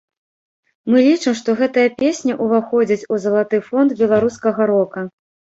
Мы лічым, што гэтая песня ўваходзіць у залаты фонд беларускага рока.